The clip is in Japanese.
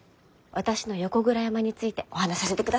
私の横倉山についてお話しさせてください！